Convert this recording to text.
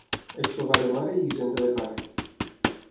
Aixovar de mare i hisenda de pare.